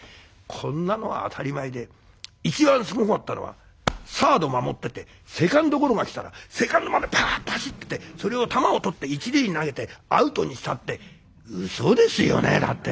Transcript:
こんなのは当たり前で一番すごかったのはサード守っててセカンドゴロが来たらセカンドまでパッと走ってってそれを球をとって一塁に投げてアウトにしたってうそですよねだって。